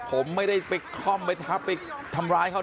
ผมไม่ได้ไปคล่อมไปทับไปทำร้ายเขา